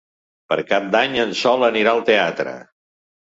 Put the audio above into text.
Per Cap d'Any en Sol anirà al teatre.